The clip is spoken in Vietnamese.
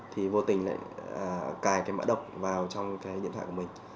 thì vô tình lại cài cái mã độc vào trong cái điện thoại của mình